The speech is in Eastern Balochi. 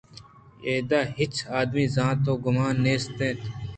اِدا ہچ آدمی ذات ءِ گمان نیست اَت